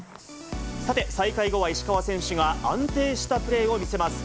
さて、再開後は石川選手が、安定したプレーを見せます。